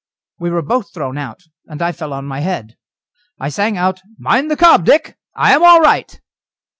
We were both thrown out, and I fell on my head. I sang out: "Mind the cob, Dick; I am all right."